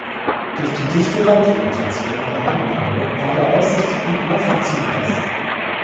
Durch die dichte Waldvegetation an der Hanglage war der Aussichtspunkt mehrfach zugewachsen.